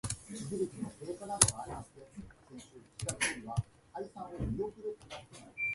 ミギー